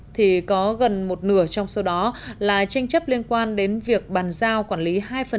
thì có gần một nửa trong số đó là tranh chấp liên quan đến việc bàn giao quản lý hai